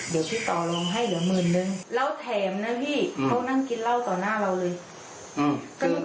เดี๋ยวพี่ต่อลองให้เหลือหมื่นนึงแล้วแถมนะพี่เขานั่งกินเหล้าต่อหน้าเราเลย